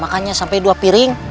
makannya sampai dua piring